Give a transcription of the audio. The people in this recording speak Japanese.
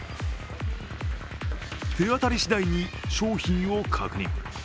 手当たりしだいに商品を確認。